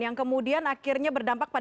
yang kemudian akhirnya berdampak pada